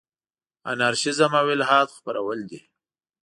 انارشیزم او الحاد خپرول دي.